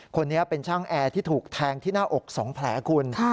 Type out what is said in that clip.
คนนี้เป็นช่างแอร์ที่ถูกแทงที่หน้าอก๒แผลคุณ